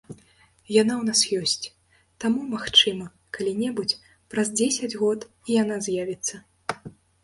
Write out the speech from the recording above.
Яна ў нас ёсць, таму, магчыма, калі-небудзь, праз дзесяць год і яна з'явіцца.